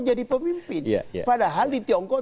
jadi pemimpin padahal di tiongkok